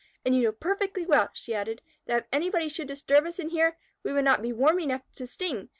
And you know perfectly well," she added, "that if anybody should disturb us in here, we would not be warm enough to sting.